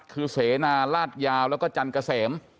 คือเสนาลาดยาวแล้วก็จันเกษม